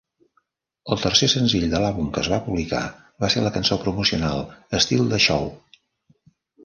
El tercer senzill de l'àlbum que es va publicar va ser la cançó promocional "Steal the Show".